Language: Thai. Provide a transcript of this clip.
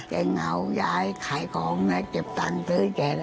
แกเงายายขายของเก็บตังค์เท้าให้แก